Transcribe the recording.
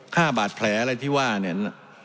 ค่าบาดแผลอะไรที่ว่าเนี่ย